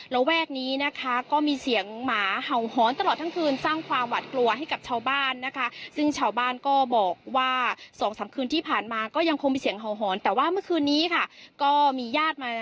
แล้วแวกนี้นะคะก็มีเสียงหมาเหาหอนตลอดทั้งคืนสร้างความหวัดกลัวให้กับชาวบ้านนะคะ